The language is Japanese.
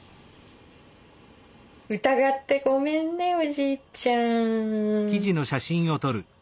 疑ってごめんねおじいちゃん。